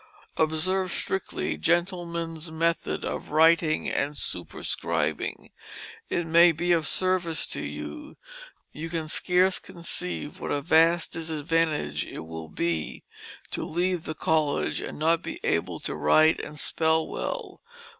Observe strictly Gentlemen's meathod of wrighting and superscribing, it may be of service to you: you can scarce conceive what a vast disadvantage it will be to leave the Colledg and not be able to write and spell well.